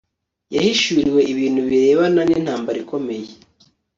yahishuriwe ibintu birebana n intambara ikomeye